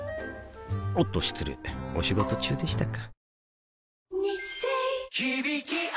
おっと失礼お仕事中でしたか